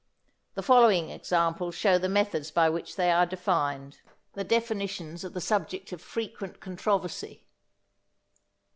The following examples show the methods by which they are defined. The definitions are the subject of frequent controversy.